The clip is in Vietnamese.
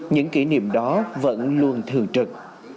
những kỷ niệm đó vẫn luôn thường trực